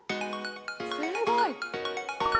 すごい。